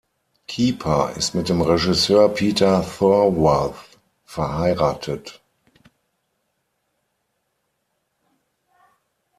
Kiper ist mit dem Regisseur Peter Thorwarth verheiratet.